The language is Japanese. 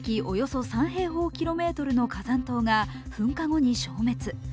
およそ３平方キロメートルの火山島が噴火後に消滅。